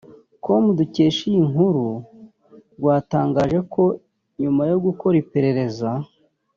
com dukesha iyi nkuru rwatangaje ko nyuma yo gukora iperereza